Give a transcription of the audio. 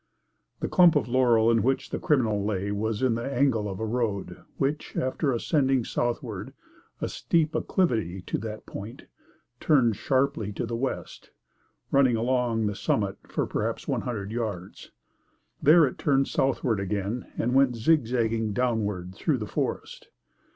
The clump of laurel in which the criminal lay was in the angle of a road which, after, ascending, southward, a steep acclivity to that point, turned sharply to the west, running along the summit for perhaps one hundred yards. There it turned southward again and went zigzagging downward through the forest.